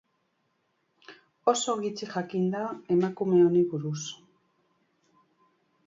Oso gutxi jakin da emakume honi buruz.